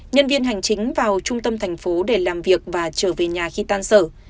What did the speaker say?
nhân viên hành chính vào trung tâm thành phố để làm việc và trở về nhà khi tan sở